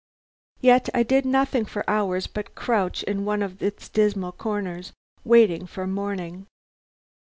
Yet I did nothing for hours but crouch in one of its dismal corners, waiting for morning.